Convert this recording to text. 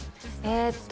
えっと